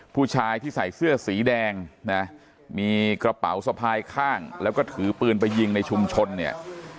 ผู้ชายที่ใส่เสื้อสีแดงนะมีกระเป๋าสะพายข้างแล้วก็ถือปืนไปยิงในชุมชนเนี่ย